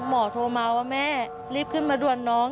โทรมาว่าแม่รีบขึ้นมาด่วนน้อง